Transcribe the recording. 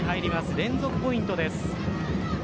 連続ポイントです。